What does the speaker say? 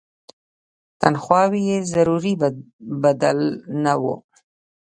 تنخواوې یې ضروري بدل نه وو.